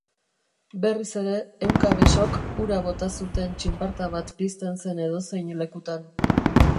Berriz ere ehunka besok ura bota zuten txinparta bat pizten zen edozein lekutan.